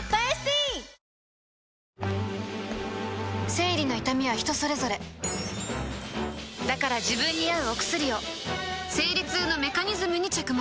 生理の痛みは人それぞれだから自分に合うお薬を生理痛のメカニズムに着目